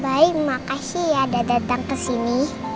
mbak ii makasih ya udah datang kesini